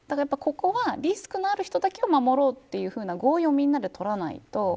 ここは、リスクのある人だけを守ろうというような合意をみんなで取らないと。